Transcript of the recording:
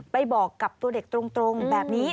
บอกกับตัวเด็กตรงแบบนี้